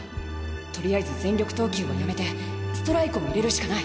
とりあえず全力投球はやめてストライクを入れるしかない！